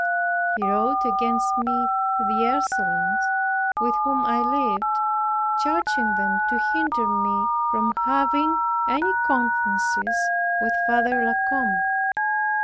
He wrote against me to the Ursulines with whom I lived, charging them to hinder me from having any conferences with Father La Combe.